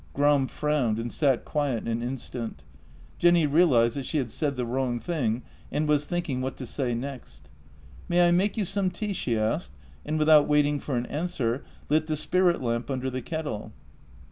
Gram frowned, and sat quiet an instant. Jenny realized that she had said the wrong thing, and was thinking what to say next. " May I make you some tea? " she asked, and without wait ing for an answer lit the spirit lamp under the kettle.